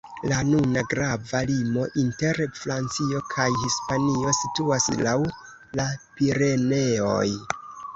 La nuna grava limo inter Francio kaj Hispanio situas laŭ la Pireneoj.